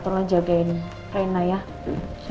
tolong jagain rena ya